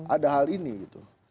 ada hal ini gitu